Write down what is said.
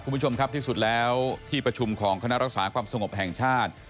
คุณผู้ชมครับที่สุดแล้วที่ประชุมของคณะรักษาความสงบแห่งชาติ